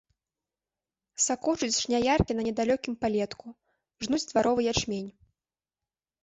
Сакочуць жняяркі на недалёкім палетку, жнуць дваровы ячмень.